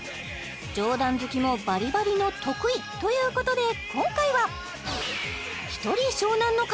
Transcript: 上段突きもバリバリの得意ということで今回はひとり湘南乃風